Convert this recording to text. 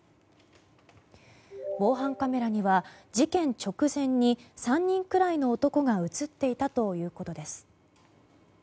防犯カメラには事件直前に３人くらいの男が映っていたということです。